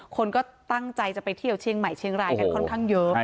คนก็ตั้งใจจะไปเที่ยวเชียงใหม่เชียงรายกันค่อนข้างเยอะ